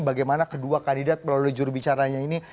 bagaimana kedua kandidat melalui jurubicaranya ini